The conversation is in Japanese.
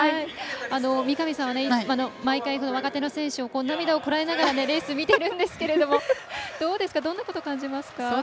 三上さんは毎回、若手の選手を涙をこらえながらレースを見ているんですけれどもどんなことを感じますか？